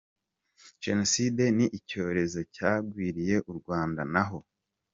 – Génocide ni icyorezo cyagwiriye u Rwanda naho